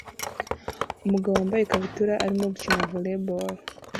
Umugabo wambaye ikabutura arimo gukina volley ball